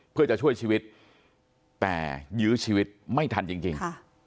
เพื่อจะช่วยชีวิตแต่ยื้อชีวิตไม่ทันจริง